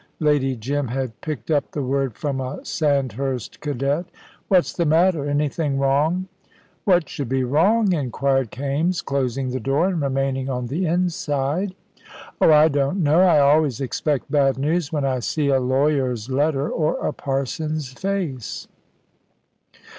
Lady Jim had picked up the word from a Sandhurst cadet. "What's the matter, anything wrong?" "What should be wrong?" inquired Kaimes, closing the door and remaining on the inside. "Oh, I don't know. I always expect bad news when I see a lawyer's letter or a parson's face.